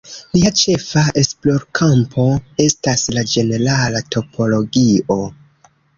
Lia ĉefa esplorkampo estas la ĝenerala topologio.